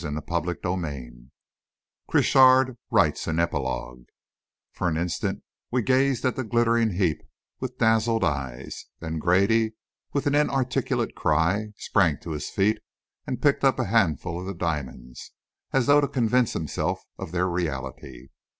CHAPTER XXVIII CROCHARD WRITES AN EPILOGUE For an instant, we gazed at the glittering heap with dazzled eyes; then Grady, with an inarticulate cry, sprang to his feet and picked up a handful of the diamonds, as though to convince himself of their reality.